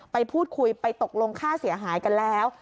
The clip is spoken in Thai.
ไปพูดคุยไปตกลงค่าเสียหายกันแล้ว